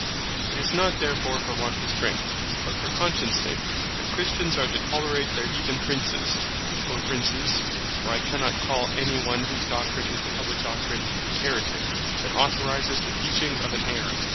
It is not therefore for want of strength, but for conscience sake, that Christians are to tolerate their Heathen Princes, or Princes (for I cannot call any one whose Doctrine is the Publique Doctrine, an Haeretique) that authorize the teaching of an Errour.